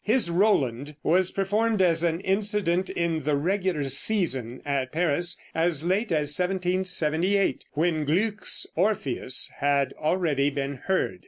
His "Roland" was performed as an incident in the regular season at Paris as late as 1778, when Gluck's "Orpheus" had already been heard.